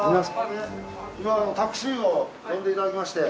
今タクシーを呼んでいただきまして。